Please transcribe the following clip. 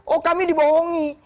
oh kami dibohongi